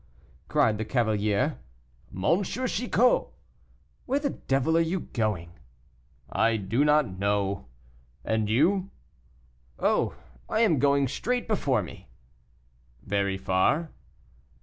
cried the cavalier. "M. Chicot!" "Where the devil are you going?" "I do not know. And you?" "Oh! I am going straight before me." "Very far?"